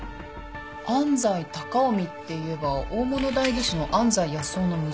安斎高臣っていえば大物代議士の安斎康雄の息子。